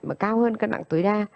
mà cao hơn cân nặng tối đa